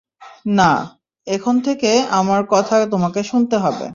না, এখন থেকে আমার কথা তোমাকে শুনতে হবে।